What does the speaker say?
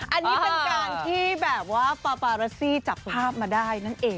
อันนี้เป็นการที่แบบว่าปาปาเรซี่จับภาพมาได้นั่นเอง